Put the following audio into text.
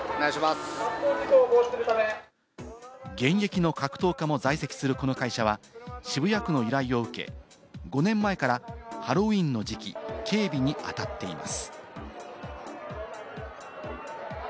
現役の格闘家も在籍するこの会社は渋谷区の依頼を受け、５年前からハロウィーンの時期、警備にあたっています。